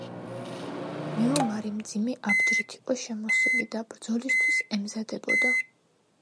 მეომარი მძიმე აბჯრით იყო შემოსილი და ბრძოლისთვის ემზადებოდა.